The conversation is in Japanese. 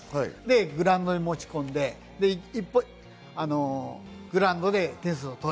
グラウンドに持ち込んで、グラウンドで点数を取る。